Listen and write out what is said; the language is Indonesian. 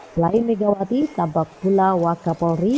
selain megawati tampak pula wakap polri